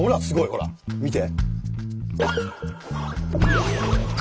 ほら見て！